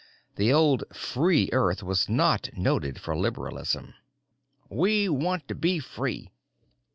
The old "free" Earth was not noted for liberalism._ "We want to be free."